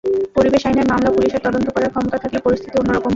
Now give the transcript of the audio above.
পরিবেশ আইনের মামলা পুলিশের তদন্ত করার ক্ষমতা থাকলে পরিস্থিতি অন্য রকম হতো।